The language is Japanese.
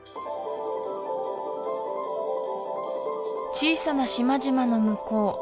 小さな島々の向こう